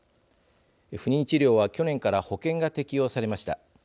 不妊治療は去年から保険が適用されました。